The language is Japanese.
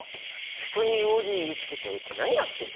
人に用事言いつけておいて何やってんの！？